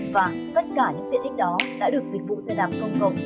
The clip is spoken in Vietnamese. và tất cả những tiện ích đó đã được dịch vụ xe đạp công cộng